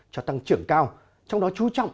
cho tăng trưởng cao trong đó chú trọng